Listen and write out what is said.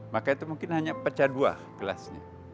maka itu mungkin hanya pecah dua gelasnya